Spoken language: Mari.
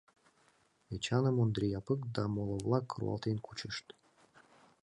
Эчаным Ондри Япык да моло-влак руалтен кучышт.